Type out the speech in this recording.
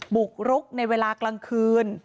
บุกรุกในเวลากลางคืน